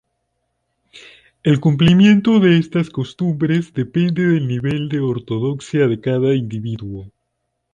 El cumplimiento de estas costumbres depende del nivel de ortodoxia de cada individuo.